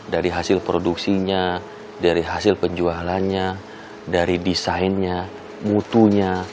dari hasil produksinya dari hasil penjualannya dari desainnya mutunya